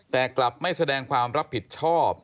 แต่กลับไม่แสดงความรับผิดชอบ